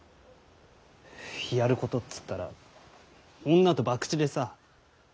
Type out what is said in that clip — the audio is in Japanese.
やることっつったら女と博打でさ。